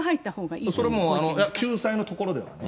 それはもう救済のところではね。